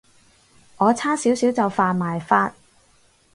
我差少少就犯埋法